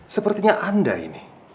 sepertinya anda ini